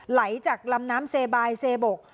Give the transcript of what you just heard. ไหลจากลำน้ำเซบายเซบก